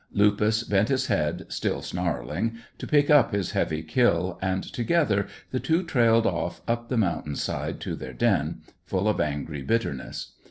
Lupus bent his head, still snarling, to pick up his heavy kill, and together the two trailed off up the mountain side to their den, full of angry bitterness.